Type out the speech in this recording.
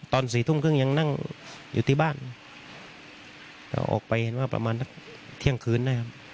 สี่ทุ่มครึ่งยังนั่งอยู่ที่บ้านเราออกไปเห็นว่าประมาณสักเที่ยงคืนได้ครับ